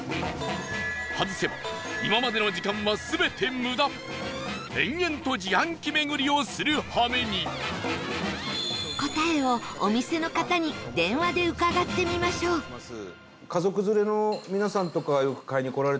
外せば今までの時間は全て無駄延々と自販機巡りをするはめに答えを、お店の方に電話で伺ってみましょう家族連れの皆さんとかが、よく買いに来られてるみたいですね。